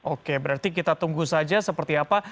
oke berarti kita tunggu saja seperti apa